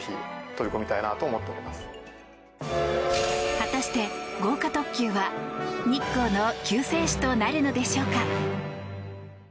果たして、豪華特急は日光の救世主となるのでしょうか。